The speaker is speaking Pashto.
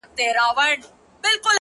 شاوخوا ټولي سيمي ـ